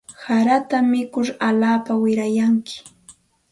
Harata mikur alaapa wirayantsik.